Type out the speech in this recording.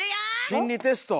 心理テスト。